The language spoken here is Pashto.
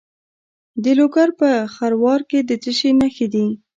د لوګر په خروار کې د څه شي نښې دي؟